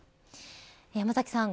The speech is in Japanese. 山崎さん